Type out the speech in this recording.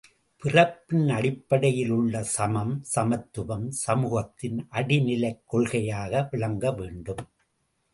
பிறப்பின் அடிப்படையில் உள்ள சமம், சமத்துவம் சமூகத்தின் அடிநிலைக் கொள்கையாக விளங்க வேண்டும்.